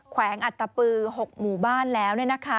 แวงอัตตปือ๖หมู่บ้านแล้ว